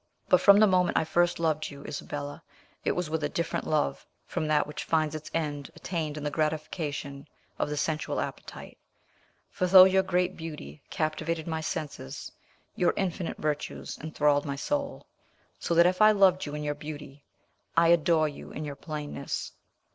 But from the moment I first loved you, Isabella, it was with a different love from that which finds its end attained in the gratification of the sensual appetite: for though your great beauty captivated my senses, your infinite virtues enthralled my soul, so that if I loved you in your beauty, I adore you in your plainness.